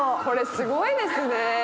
これすごいですね。